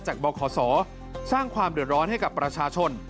บขสร้างความเดือดร้อนให้กับประชาชน